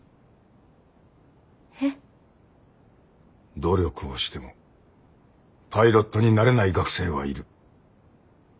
努力をしてもパイロットになれない学生はいる。